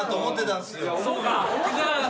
そうか。